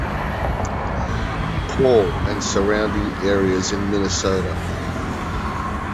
Paul and surrounding areas in Minnesota.